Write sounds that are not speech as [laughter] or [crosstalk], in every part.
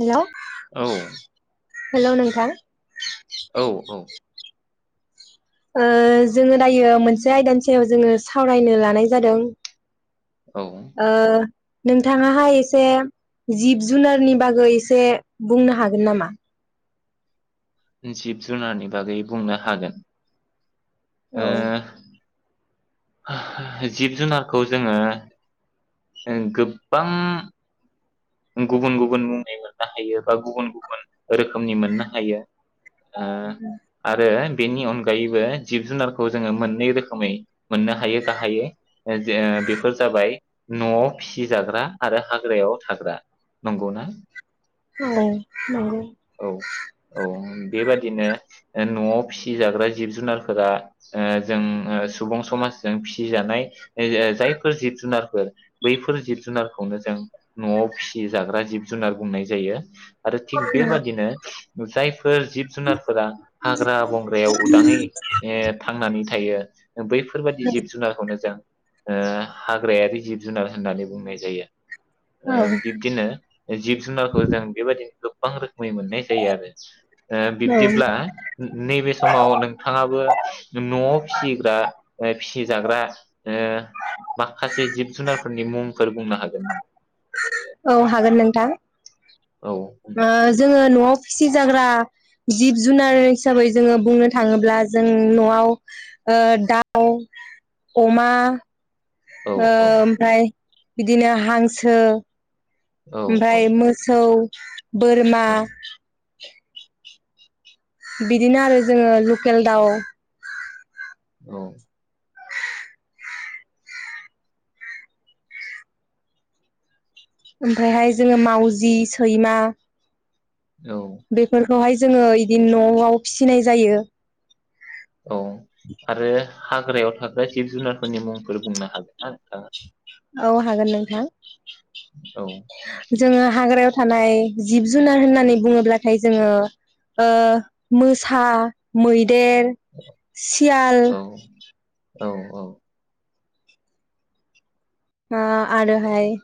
Hello. औ hello नोंथां। औ औ ओ जोङो दायो मोनसे आयदानि सायाव जोङो सावरायनो लानाय जादों औ ओ। नोंथाङाहाय इसे जिब जुनारनि बागै इसे बुंनो हागोन नामा? जिब जुनारनि बागै बुंनो हागोन। ओ। औ जिब जुनारखौ जोङो गोबां गुबुन गुबुन मुंनि मोननो हायो बा गुबुन गुबुन रोखोमनि मोननो हायो ओ आरो बेनि अनगायैबो जिब जुनारखौ जोङो मोननै रोखोमै मोननो हायो गाहायै जे बेफोर जाबाय नआव फिसि जाग्रा आरो हाग्रायाव थाग्रा। नंगौ ना। औ नंगौ। बिदिनो नआव फिसिजाग्रा जिब जुनारफोरा ओ जों सुबुं समाजजों फिसिजानाय जाय जायफोर जिब जुनारफोर बैफोर जिब जुनारखौनो जों न'आव फिसि जाग्रा जिब जुनार बुंनाय जायो। आरो थिग बेबादिनो। जाइ फोर जिब जुनारफोरा हाग्रा बंग्रायाव उदाङै थांनानै ओ थायो बैफोरबादि जिब जुनारखौनो जों। ओ हाग्रायारि जिब जुनार होननानै बुंनाय जायो। औ। यो जिब जुनारखौ जों बेबायदि। गोबां रो मै मोननाय जायो आरो बिब्दिब्ला नैबे समाव नोंथाङाबो न'आव फिसिग्रा। ओ फिजाग्रा ओ माखखासे जिब जुनारफोरनि मुंफोर बुंनो हागोन नामा? औ हागोन नोंथां। औ ओ बुंलाय जोङो न'आव फिसिजाग्रा जिब जुनार हिसाबै जोङो बुंनो थाङोब्ला जों न'आव दाउ, अमा औ ओ औ ओमफ्राय बिदिनो हांस सो औ औ ओमफाय मोसौ बोरमा औ [inaudible] बिदिनो आरो जोङो लुकेल दाउ औ ओमफायहाय जोङो मावजि, सैमा औ बेफोरखौहाय जोङो इदिनो न'आव फिनाय जायो। औ आरो हाग्रायाव थाग्रा जिब जुनारफोरनि मुंफोर बुंनो हागोन ना नोंथाङा? औ हागोन नोंथां। औ जोङो हाग्रायाव थानाय जिब जुनार होननानै बुङोब्लाथाय जोङो ओ मोसा, मै देर, सियाल औ औ औ ओ आरोहाय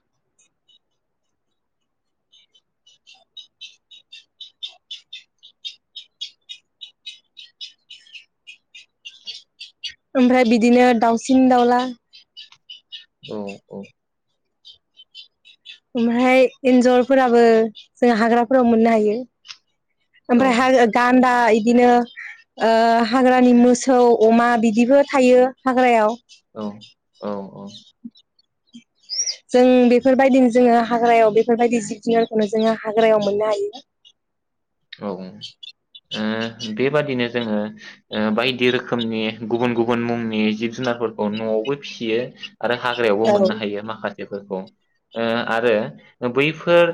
ओमफ्राय बिदिनो दाउसिन-दाउला औ औ ओमफ्राय एन्जरफोराबो जों हाग्राफोराव मोननो हायो। औ ओमफ्रायहा गान्दा इदिनो ओ हाग्रानि मोसौ, अमा बिदिबो थायो हाग्रायाव। औ औ औ जों बेफोरबायदिनो जोङो हाग्रायाव बेफोरबायदि जिब जुनारखौनो जोङो हाग्रायाव मोननो हायो। औ ओह बेबादिनो जोङो ओ बायदि रोखोमनि गुबुन गुबुन मुंनि जिब जुनारफोरखौ न'आवबो फियो आरो हाग्रायावबो मोननो हायो माखा बेफोरखौ ओ आरो बैफोर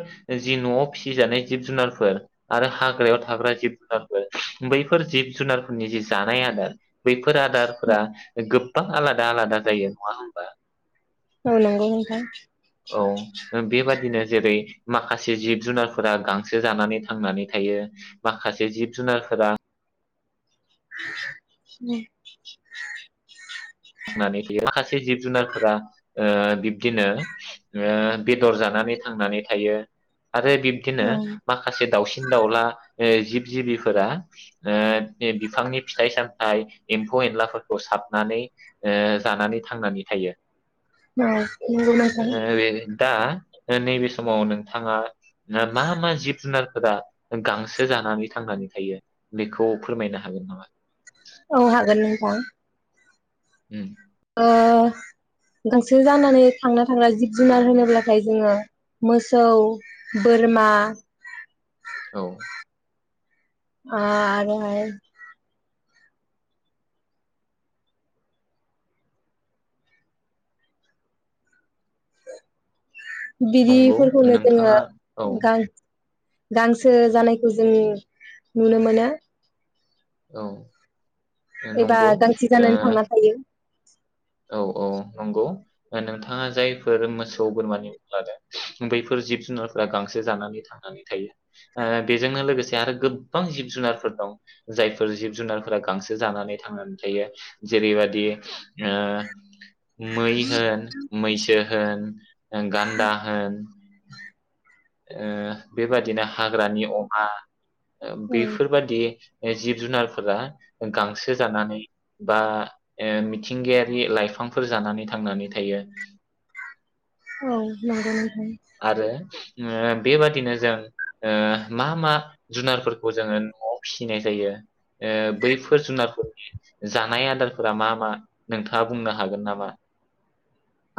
जि न'आव फिजानाय जिब जुनारफोर आरो हाग्रायाव थाग्रा जिब जुनारफोर बैफोर जिब जुनारफोरनि जि जानाय आदार बैफोर फोर आदारफोरा गोब बां आलादा आलादा जायो नङा होमबा? औ नंगौ नोंथां। औ बेबादिनो जेरै माखासे जिब जुनारफोरा गांसो जानानै थांनानै थायो माखासे जिब जुनारफोरा उम थांनानै थायो माखासे जिब जुनारफोरा ओ बिब्दिनो ओ बेदर जानानै थांनानै थायो आरो बिब्दिनो औ माखासे दाउ सिन दाउला ओ जिब जिबिफोरा ओ बे बिफांनि फिथाइ सामथाइ एम्फौ एनलाफोरखौ साबनानै ओ जानानै थांनानै थायो। औ नोंगौ नोंथां। दा ओ नैबे समाव नोंथाङा ओ मा मा जिब जुनारफोरा गांसो जानानै थांनानै थायो बेखौ फोरमायनो हागोन नामा? औ हागोन नों थां उम ओ गांसो जानानै थांना थाग्रा जिब जुनार होनोब्लाथाय जोङो मोसौ, बोरमा औ आ आरोहाय नंगौ बिदिफोरखौनो जोङो नोंथाङा औ गां गांसो जानायखौ जों नुनो मोनो। औ ओ, एबा नंगौ गांसो ओ, जानानै थांना थायो। औ औ नंगौ ओ नोंथाङा जायफोर मोसौ बोरमानि मुं लादों बैफोर जिब जुनारफोरा गांसो जानानै थांनानै थायो ओ बेजोंनो लोगोसे आरो गोबबां जिब जुनारफोर दं जायफोर जिब जुनारफोरा गांसो जानानै थांनानै थायो जेरैबादि ओ मै होन, मैसो होन ओ गान्दा होन, ओह बेबादिनो हाग्रानि अमा ओ औ बेफोरबादि जिब जुनारफोरा गांसो जानानै बा ओ मिथिंगायारि लाइफांफोर जानानै थांनानै थायो। औ नंगौ नों आरो ओ बेबादिनो जों ओ मा मा जुनारफोरखौ जोङो नआव फिसिनाय जायो ओ बैफोर जुनारफोरनि जानाय आदारफोरा मा मा नोंथाङा बुंनो हागोन नामा?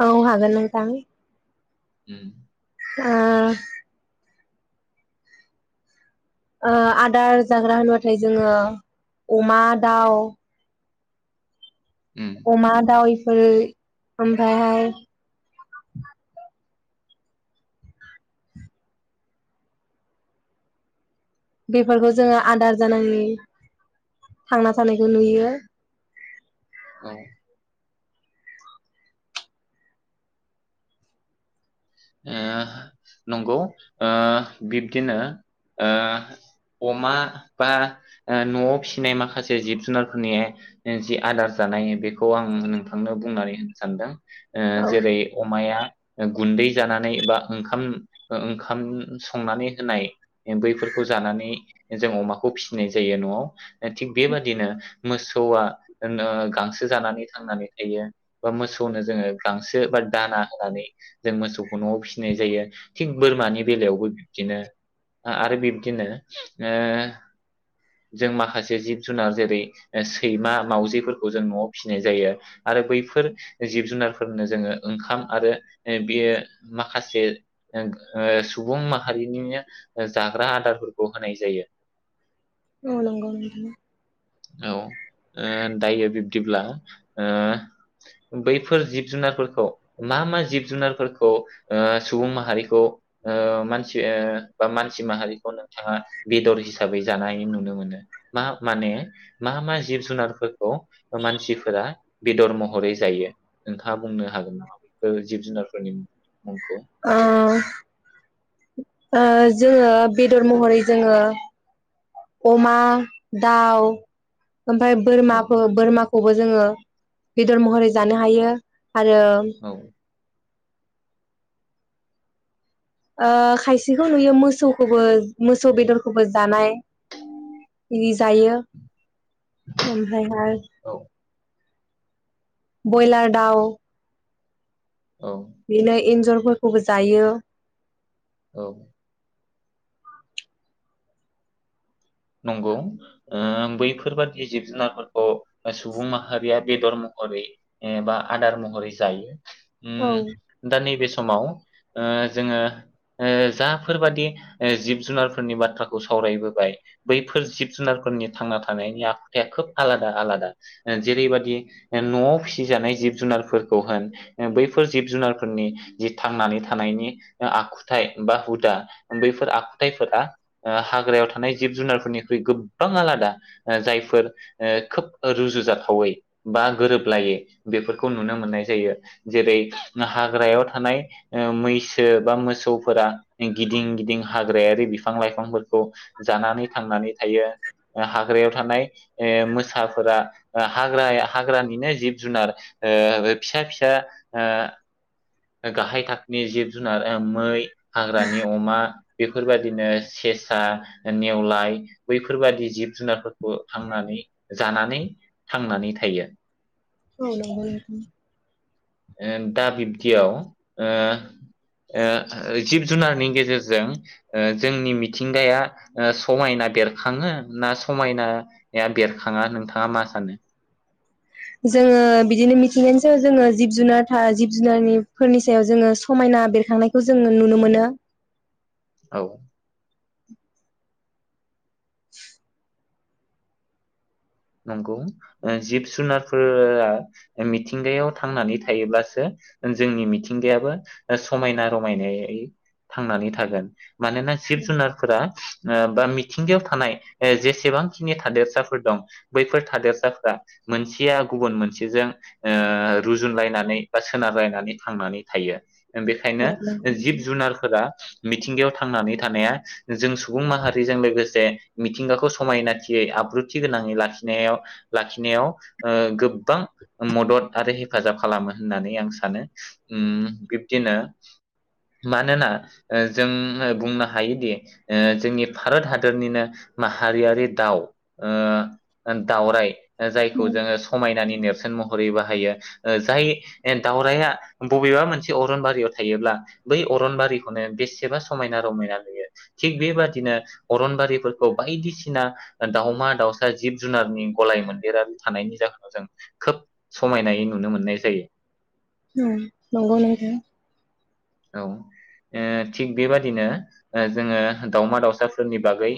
औ हागोन नोंथां। उम ओ ओ आदार जाग्रा होनबाथाय जोङो अमा, दाउ उम अमा, दाव [unintelligible] ओमफायहाय बेफोरखौ जोङो आदार जानानै थांना थानायखौ नुयो। औ ओ नंगौ ओ बिब्दिनो ओ अमा बा ओ नआव फिसिनाय माखासे जिब जुनारफोरनि ओ जि आदार जानाय बेखौ आं नोंथांनो बुंनानै होनो सानदों ओ औ जेबै अमाया, गुन्दै जानानै बा ओंखाम ओंखाम संनानै होनाय बैफोरखौ जानानै जों अमाखौ फिसिनाय जायो न'आव, थिग बेबादिनो, मोसौआ जोंनो गांसो जानानै थांनानै थायो बा मोसौनो जोङो गांसो बा दाना होनानै जों मोसौ, न'आव फिसिनाय जायो थिग बोरमानि बेलायावबो बिब्दिनो आरो बिब्दिनो ओ जों माखासे जिब जुनार जेरै ओ सैमा, मावजिफोरखौ जों न'आव फिसिनाय जायो आरो बैफोर जिब जुनारफोरनो जोङो ओंखाम आरो ओ बेयो माखासे ओ सुबुं माहारिनिनो ओ जाग्रा आदारफोरखौ होनाय जायो, औ नंगौ नोंथां, औ ओ दायो बिब्दिब्ला ओ बैफोर जिब जुनारफोरखौ मा मा जिब जुनारफोरखौ ओ सुबुं माहारिखौ ओ मानसि ओ बा मानसि माहारिखौ नोंथाङा बेदर हिसाबै जानाय नुनो मोनो? मा माने मा मा जिब जुनारफोरखौ मानसिफोरा बेदर महरै जायो नोंथाङा बुंनो हागोन नामा? बेफोर जिब जुनारफोरनि, मुंखौ ओ ओ जोङो बेदर महरै जोङो अमा, दाउ, ओमफाय औ बोरमाखो बोरमा, खौबो जोङो बेदर महरै जानो हायो, आरो औ ओ खायसेखौ नुयो मोसौखोबो मोसौ बेदरखोबो जानाय, इदि जायो ओमफ्रायहाय, औ बयलार दाउ, बेनो एनजर, फोरखौबो जायो, औ नंगौ ओ बैफोरबादि जिब जुनारफोरखौ सुबुं माहारिया बेदर महरै एबा आदार महरै जायो। औ ओम दा नै बे स समाव ओ जोङो ओ जाफोरबादि जिब जुनारफोरनि बाथ्राखौ सावरायबोबाय बैफोर जिब जुनारफोरनि थांना थानायनि आखुथाया खोब आलादा आलादा ओ जेरैबादि ओ न'आव फिसिजानाय जिब जुनारफोरखौहाय ओ बैफोर जिब जुनारफोरनि जि थांनानै थानायनि ओ आखुथायाइ बा हुदा बैफोर आखुथायाइफोरा ओ हाग्रायाव थानाय, जिब जुनारफोरनिख्रुइ गोबां आलादा जायफोर खोब रुजुजाथावै बा गोरोबलायै बेफोरखौ नुनो मोननाय जायो जेरै हाग्रायाव थानाय मैसो बा मोसौफोरा गिदिं गिदिं हाग्रायारि बिफां लाइफांफोरखौ, जानानै थांनानै थायो ओ हाग्रायाव थानाय मोसाफोरा ओ हाग्राया हाग्रानिनो जिब जुनार ओ फिसा फिसा ओ गाहाय थाखोनि जिब जुनार ओ मै हाग्रानि अमा। बेफोरबायदिनो सेसा नेवलाय बैफोरबायदि जिब जुनारफोर बो थांनानै जानानै थांनानै थायो। औ नोंगौ नोंथां। ओ दा बिब्दियाव ओ ओ जिब जुनारनि गेजेरजों ओ जोंनि मिथिंगाया ओ समायना बेरखाङो ना समायनाया बेरखाङा नोंथाङा मा सानो? जोङो बिदिनो मिथिंगानि सायाव जोङो जिब जुनार थार जिब जुनारनिफोरनि सायाव जोङो समायना बेरखांनायखौ जोङो नुनो मोनो। औ। [unintelligible] नंगौ ओ जिब जुनारफोरा मिथिंगायाव थांनानै थायोब्लासो जोंनि मिथिंगायाबो समायना रमायनायै थांनानै थागोन। मानोना जिब जुनारफोरा, ओ बा मिथिंगायाव थानाय ओ जेसेबांखिनि थादेरसाफोर दं बैफोर थादेरसाफ्रा मोनसेया गुबुन मोनसेजों ओ रुजुनलायनानै बा सोनारलायनानै थांनानै थायो। बेखायनो औ नंगौ जिब जुनारफोरा मिथिंगायाव थांनानै थानाया जों सुबुं माहारिजों लोगोसे मिथिंगाखौ समायनाथियै आब्रुथि गोनाङै लाखि नायाव लाखिनायाव ओ गोबबां मदद आरो [unintelligible] हेफाजाब खालामो होननानै आं सानो उम बिब्दिनो मानोना ओ जों बुंनो हायोदि ओ जोंनि भारत हादरनिनो माहारियारि दाव ओ ओ दावराइ। ओ जायखौ जोङो समायनानि नेरसोना महरै बाहायो ओ जाय दावरायआ बबेबा मोनसे अरनबारियाव थायोब्ला बै अरनबारिखौनो बेसेबा समायना रमायना नुयो थिग बेबादिनो अरनबारिफोरखौ बायदिसिना ओ दावमा दाउसा जिब जुनारनि गलाय मोनदेरारि थानायनि जाहोनाव जों खोब समायनायै नुनो मोननाय जायो। उम नोंगौ नोंथां। औ ओ थिग बेबादिनो ओ जोङो दाावमा दाउसाफोरनि बागै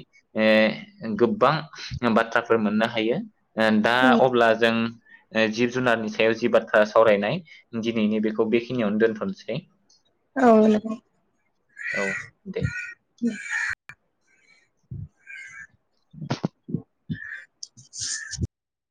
ओ गोबां बाथ्राफोर मोननो हायो। ओ दा अब्ला जों ओ जिब जुनारनि सायाव जि बाथ्रा सावरायनाय दिनैनि बेखौ बेखिनियावनो दोनथसै। औ नोंगौ। औ दे। [unintelligible] [unintelligible]